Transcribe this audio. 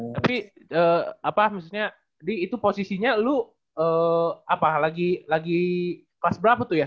tapi apa maksudnya di itu posisinya lu apa lagi kelas berapa tuh ya